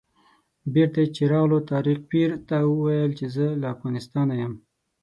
بېرته چې راغلو طارق پیر ته وویل چې زه له افغانستانه یم.